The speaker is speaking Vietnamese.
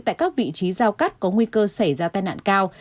tại các vị trí giao cắt có nguy cơ xảy ra tai nạn cao